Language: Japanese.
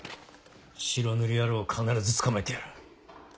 白塗り野郎を必ず捕まえてやる。